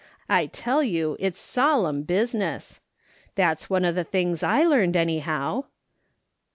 I tell you it's solemn business ! That's one of the things I learned, any how.'